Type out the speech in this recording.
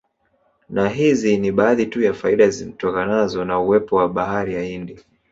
Na hizi ni baadhi tu ya faida zitokanazo na uwepo wa bahari ya Hindi